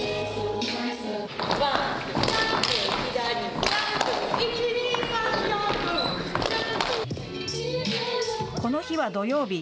この日は土曜日。